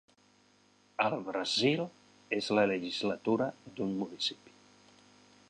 Al Brasil, és la legislatura d'un municipi.